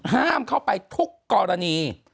ห้ามเข้าไปทุกกรณี